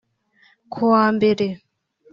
Kuwa mbere